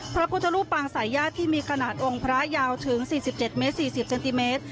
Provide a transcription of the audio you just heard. พระพุทธรูปปางสายญาติที่มีขนาดองค์พระยาวถึง๔๗เมตร๔๐เซนติเมตร